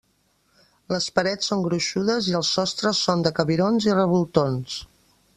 Les parets són gruixudes i els sostres són de cabirons i revoltons.